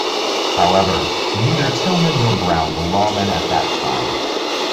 However, neither Tilghman nor Brown were lawmen at that time.